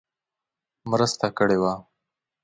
مرسته کړې وه.